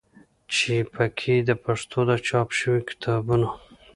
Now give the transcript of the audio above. چې په کې د پښتو د چاپ شوي کتابونو